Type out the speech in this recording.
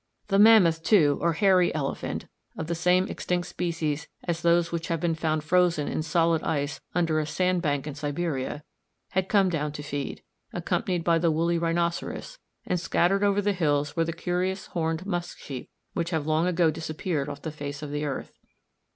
The mammoth, too, or hairy elephant, of the same extinct species as those which have been found frozen in solid ice under a sandbank in Siberia, had come down to feed, accompanied by the woolly rhinoceros; and scattered over the hills were the curious horned musk sheep, which have long ago disappeared off the face of the earth.